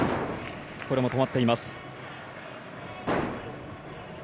これも止まっています。